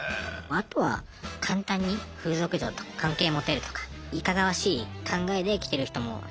あとは簡単に風俗嬢と関係持てるとかいかがわしい考えで来てる人もいますね。